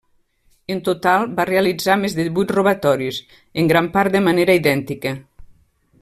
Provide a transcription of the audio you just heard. En total va realitzar més de divuit robatoris, en gran part de manera idèntica.